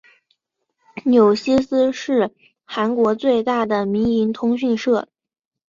纽西斯是韩国最大的民营通讯社。